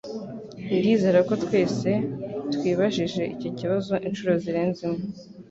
Ndizera ko twese twibajije icyo kibazo inshuro zirenze imwe